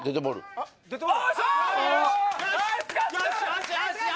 よしよし！